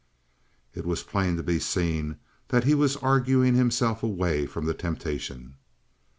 It was plain to be seen that he was arguing himself away from the temptation.